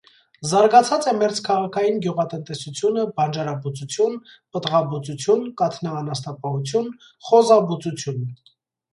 Զարգացած է մերձքաղաքային գյուղատնտեսությունը (բանջարաբուծություն, պտղաբուծություն, կաթնաանասնապահություն, խոզաբուծություն)։